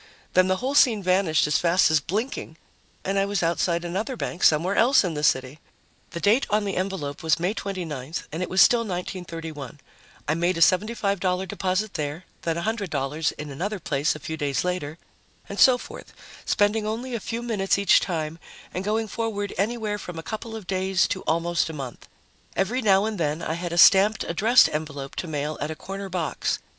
Then the whole scene vanished as fast as blinking and I was outside another bank somewhere else in the city. The date on the envelope was May 29th and it was still 1931. I made a $75 deposit there, then $100 in another place a few days later, and so forth, spending only a few minutes each time and going forward anywhere from a couple of days to almost a month. Every now and then, I had a stamped, addressed envelope to mail at a corner box.